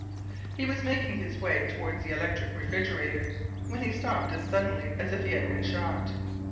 He was making his way toward the electric refrigerator when he stopped as suddenly as if he had been shot.